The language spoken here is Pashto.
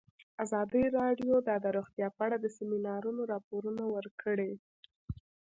ازادي راډیو د روغتیا په اړه د سیمینارونو راپورونه ورکړي.